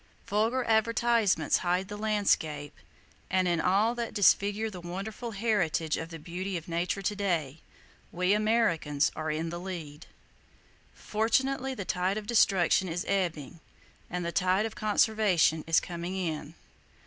Vulgar advertisements hide the landscape, and in all that disfigures the wonderful heritage of the beauty of Nature to day, we Americans are in the lead. Fortunately the tide of destruction is ebbing, and the tide of conservation is coming in.